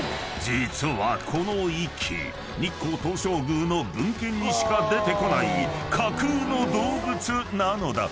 実はこの息日光東照宮の文献にしか出てこない架空の動物なのだ］